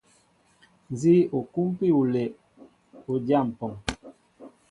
Nzi o kumpi olɛʼ, o dya mpɔŋ.